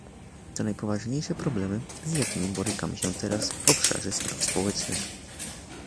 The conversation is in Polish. To najpoważniejsze problemy, z jakimi borykamy się teraz w obszarze spraw społecznych